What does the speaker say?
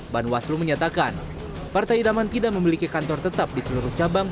ban waslu menyatakan partai idaman tidak memiliki kantor tetap di seluruh cabang